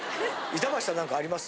板橋さん何かあります？